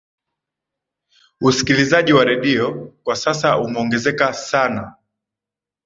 usikilizaji wa redio kwa sasa umeongezeka sana